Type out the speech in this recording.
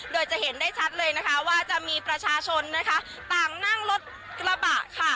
โดยจะเห็นได้ชัดเลยนะคะว่าจะมีประชาชนนะคะต่างนั่งรถกระบะค่ะ